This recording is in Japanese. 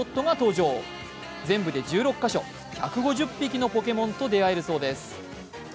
是うぶで１６か所１５０匹のポケモンと出会えるそうです。